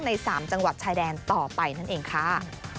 ใน๓จังหวัดชายแดนต่อไปนั่นเองค่ะ